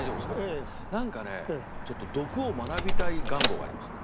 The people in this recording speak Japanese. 何かねちょっと毒を学びたい願望がありますね。